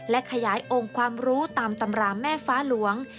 และขยายองค์ความรู้ตามตำราแม่ฟ้าหลวง